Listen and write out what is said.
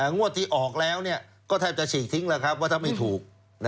งวดที่ออกแล้วก็แทบจะฉีกทิ้งแล้วครับว่าถ้าไม่ถูก